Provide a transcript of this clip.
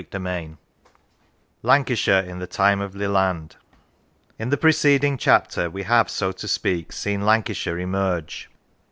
CHAPTER V LANCASHIRE IN THE TIME OF LELAND IN the preceding chapter we have, so to speak, seen Lancashire emerge.